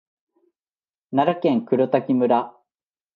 奈良県黒滝村